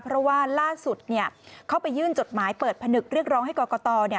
เพราะว่าล่าสุดเข้าไปยื่นจดหมายเปิดผนึกเรียกร้องให้กรกต